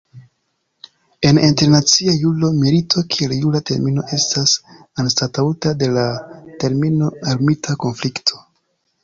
En internacia juro, milito kiel jura termino estas anstataŭita de la termino "armita konflikto".